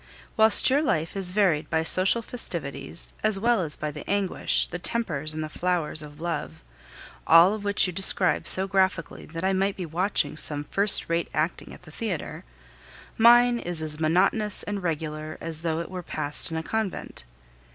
Whilst your life is varied by social festivities, as well as by the anguish, the tempers, and the flowers of love all of which you describe so graphically, that I might be watching some first rate acting at the theatre mine is as monotonous and regular as though it were passed in a convent.